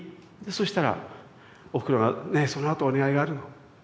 そしたらおふくろが「ねえそのあとお願いがあるの」。